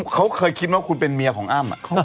เขาเคยคิดว่าคุณเป็นเมียของอ้ำ